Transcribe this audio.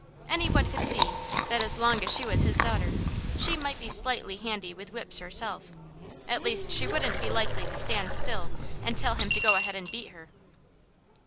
Any one could see that as long as she was his daughter, she might be slightly handy with whips herself; at least she wouldn't be likely to stand still and tell him to go ahead and beat her.